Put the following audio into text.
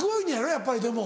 やっぱりでも。